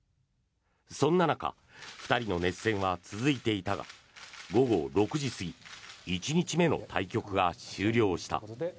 そんな中２人の熱戦は続いていたが午後６時過ぎ１日目の対局が終了した。